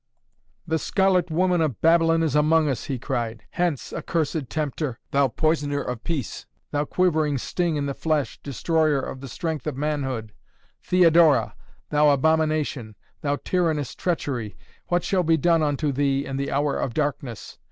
"The Scarlet Woman of Babylon is among us!" he cried. "Hence! accursed tempter. Thou poisoner of peace, thou quivering sting in the flesh, destroyer of the strength of manhood! Theodora! thou abomination thou tyrannous treachery! What shall be done unto thee in the hour of darkness?